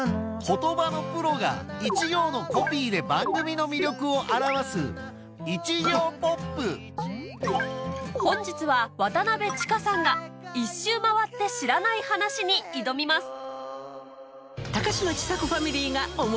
言葉のプロが一行のコピーで番組の魅力を表す本日は渡千佳さんが『１周回って知らない話』に挑みます